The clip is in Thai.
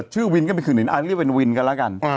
ชื่อวินก็ไม่ถึงอื่นอันเรียกว่าวินก็แล้วกัน